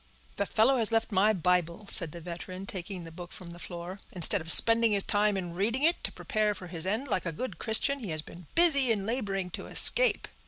"The fellow has left my Bible," said the veteran, taking he book from the floor. "Instead of spending his time in reading it to prepare for his end like a good Christian, he has been busy in laboring to escape."